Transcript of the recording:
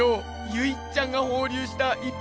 ゆいっちゃんがほうりゅうしたいっ